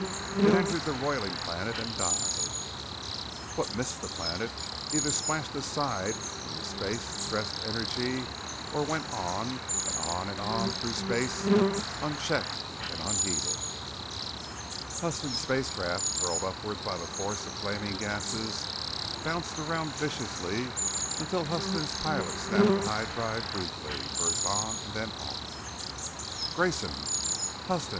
It entered the roiling planet and died, and what missed the planet either splashed aside from the space stressed energy or went on and on and on through space unchecked and unheeded. Huston's spacecraft, hurled upwards by the force of flaming gases, bounced around viciously until Huston's pilot snapped the high drive briefly, first on and then off. "Grayson?" "Huston!